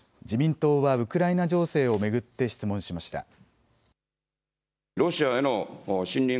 自民党はウクライナ情勢を巡って質問しました。